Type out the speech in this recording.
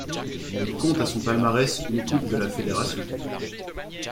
Il compte à son palmarès une Coupe de la Fédération.